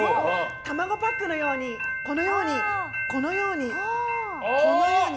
卵パックのようにこのように、このように。